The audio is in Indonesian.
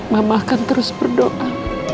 mama akan terus berdoa